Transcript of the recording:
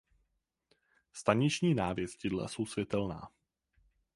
Staniční návěstidla jsou světelná.